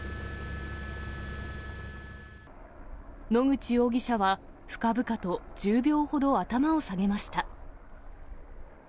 野口容疑者は深々と１０秒ほど頭を下げました。